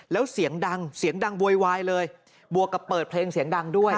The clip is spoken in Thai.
แล้วเสียงดังเสียงดังโวยวายเลยบวกกับเปิดเพลงเสียงดังด้วย